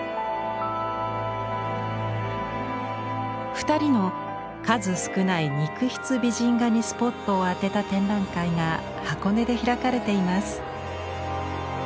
２人の数少ない肉筆美人画にスポットを当てた展覧会が箱根で開かれています。